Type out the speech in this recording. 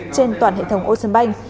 trên toàn hệ thống ô sơn banh